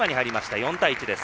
４対１です。